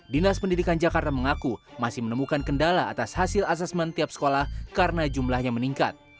dinas pendidikan jakarta mengaku masih menemukan kendala atas hasil asesmen tiap sekolah karena jumlahnya meningkat